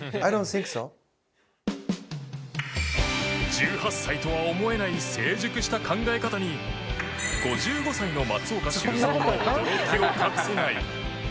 １８歳とは思えない成熟した考え方に５５歳の松岡修造も驚きを隠せない